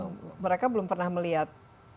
mereka belum pernah melihat